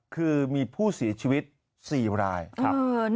คือมีผู้เสียชีวิต๔รายครับ